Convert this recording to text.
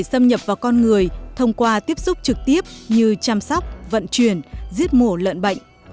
xâm nhập vào con người thông qua tiếp xúc trực tiếp như chăm sóc vận chuyển giết mổ lợn bệnh